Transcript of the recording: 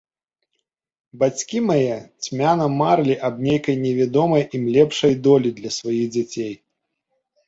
Бацькі мае цьмяна марылі аб нейкай невядомай ім лепшай долі для сваіх дзяцей.